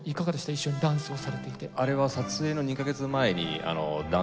一緒にダンスをされていて。